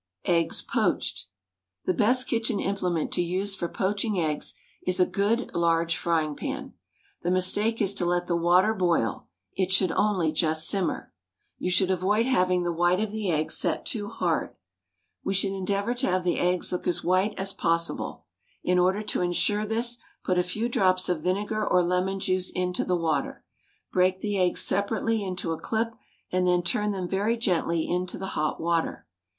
EGGS, POACHED. The best kitchen implement to use for poaching eggs is a good large frying pan. The mistake is to let the water boil; it should only just simmer. You should avoid having the white of the egg set too hard. We should endeavour to have the eggs look as white as possible. In order to insure this, put a few drops of vinegar or lemon juice into the water, break the eggs separately into a clip, and then turn them very gently into the hot water.